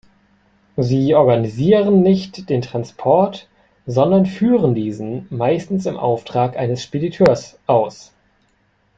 Sie organisieren nicht den Transport, sondern führen diesen, meistens im Auftrag eines Spediteurs, aus.